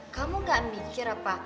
kamu gak mikir apa